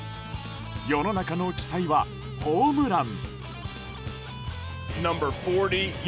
世の中の期待はホームラン。